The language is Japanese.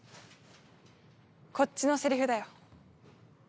こっちのセリフだよ。